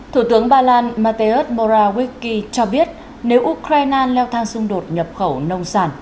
thủ tướng ba lan mateusz morawiecki cho biết nếu ukraine leo thang xung đột nhập khẩu nông sản